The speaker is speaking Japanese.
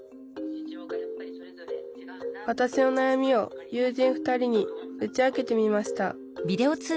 わたしのなやみを友人２人に打ち明けてみました